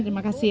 terima kasih ya